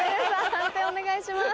判定お願いします。